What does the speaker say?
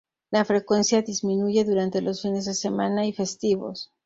La frecuencia disminuye durante los fines de semana y festivos.